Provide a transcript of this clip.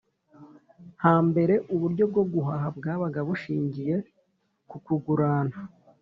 Hambere uburyo bwo guhaha bwabaga bushingiye ku kugurana